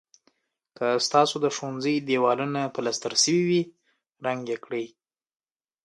که ستاسو د ښوونځي دېوالونه پلستر شوي وي رنګ یې کړئ.